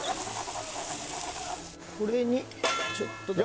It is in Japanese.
これにちょっとだけ。